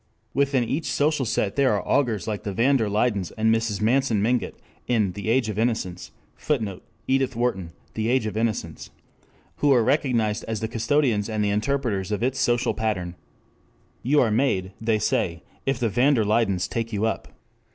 Within each social set there are augurs like the van der Luydens and Mrs. Manson Mingott in "The Age of Innocence," [Footnote: Edith Wharton, The Age of Innocence.] who are recognized as the custodians and the interpreters of its social pattern. You are made, they say, if the van der Luydens take you up.